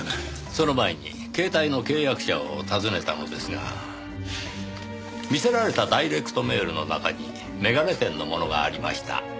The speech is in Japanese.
その前に携帯の契約者を訪ねたのですが見せられたダイレクトメールの中に眼鏡店のものがありました。